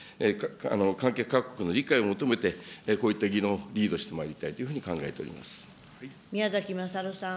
関係各国の理解を求めてこういった議論をリードしてまいりたいというふうに考えて宮崎勝さん。